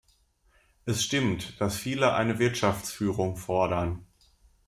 Es stimmt, dass viele eine Wirtschaftsführung fordern.